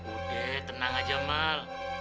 udah tenang aja mal